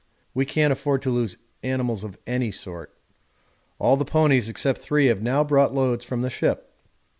We can't afford to lose animals of any sort. All the ponies except three have now brought loads from the ship.